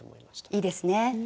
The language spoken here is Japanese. いいですね。